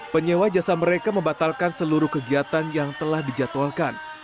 penyewa jasa mereka membatalkan seluruh kegiatan yang telah dijadwalkan